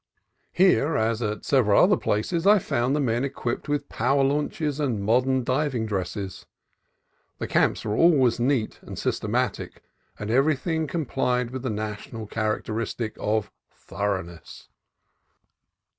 Here, as at several other places, I found the men equipped with power launches and modern diving dresses. The camps were always neat and systema tic, and everything complied with the national char acteristic of thoroughness.